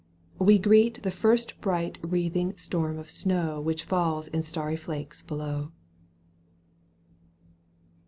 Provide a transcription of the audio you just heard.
We greet The first bright wreathing storm of snow Which falls in starry flakes below.